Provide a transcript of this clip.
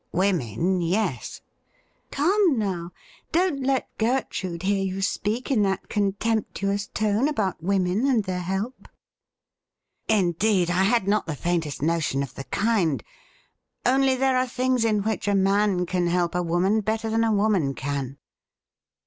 ' Women — yes.' ' Come, now, don't let Gertrude hear you speak in that contemptuous tone about women and their help !' 'Indeed, I had not the faintest notion of the kind. Only there are things in which a man can help a woman better than a woman can.